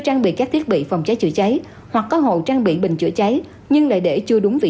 trang bị các thiết bị phòng cháy chữa cháy hoặc có hộ trang bị bình chữa cháy nhưng lại để chưa đúng vị